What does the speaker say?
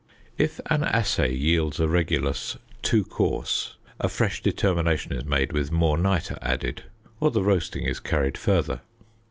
If an assay yields a regulus "too coarse," a fresh determination is made with more nitre added, or the roasting is carried further.